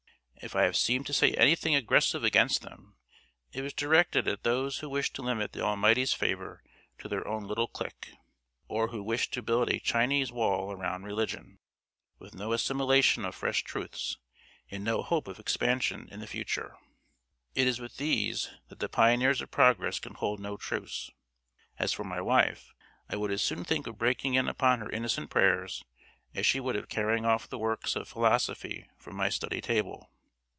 If I have seemed to say anything aggressive against them, it was directed at those who wish to limit the Almighty's favour to their own little clique, or who wish to build a Chinese wall round religion, with no assimilation of fresh truths, and no hope of expansion in the future. It is with these that the pioneers of progress can hold no truce. As for my wife, I would as soon think of breaking in upon her innocent prayers, as she would of carrying off the works of philosophy from my study table.